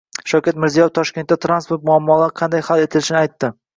Shavkat Mirziyoyev Toshkentda transport muammolari qanday hal etilishini aytdi